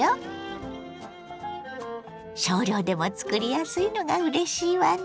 少量でもつくりやすいのがうれしいわね。